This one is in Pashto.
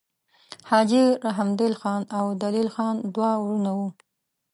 حاجي رحمدل خان او دلیل خان دوه وړونه وه.